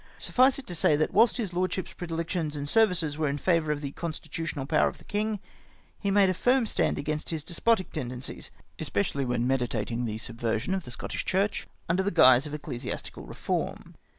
Suffice it to say that, whilst liis lordship's predilections and ser vices were in favour of the constitutional power of the king, he made a firm stand against his despotic ten dencies, especially when meditating the subversion of the Scottish Chmxh, under the guise of ecclesiastical reform.